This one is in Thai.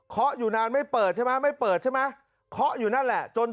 เขาอยู่นานไม่เปิดใช่ไหมไม่เปิดใช่ไหมเคาะอยู่นั่นแหละจน